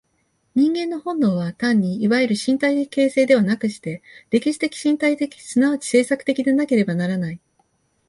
人間の本能は単にいわゆる身体的形成ではなくして、歴史的身体的即ち制作的でなければならない。